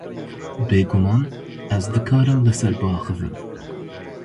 Bê guman, ez dikarim li ser biaxivim.